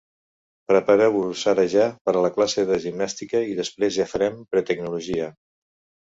Prepareu-vos ara ja per a la classe de gimnàstica i després ja farem pretecnologia.